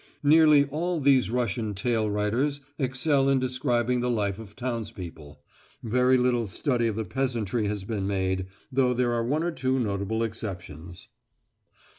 Nearly all these Russian tale writers excel in describing the life of townspeople. Very little study of the peasantry has been made, though there are one or two notable exceptions.